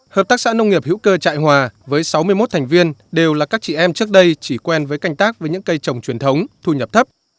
hợp tác xã nông nghiệp hữu cơ chạy hòa với sáu mươi một thành viên đều là các chị em trước đây chỉ quen với canh tác với những cây trồng truyền thống thu nhập thấp